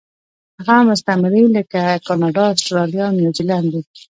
هغه مستعمرې لکه کاناډا، اسټرالیا او نیوزیلینډ دي.